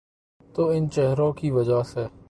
تو ان چہروں کی وجہ سے۔